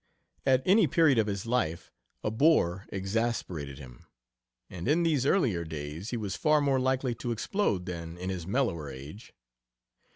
At any period of his life a bore exasperated him, and in these earlier days he was far more likely to explode than in his mellower age.